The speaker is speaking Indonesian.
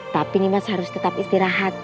tapi nimas harus tetap istirahat